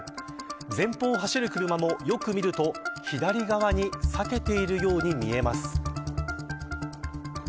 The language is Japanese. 前方を走る車もよく見ると左側に避けているように見えます。